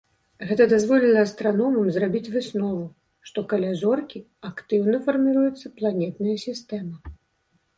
Гэта дазволіла астраномам зрабіць выснову, што каля зоркі актыўна фарміруецца планетная сістэма.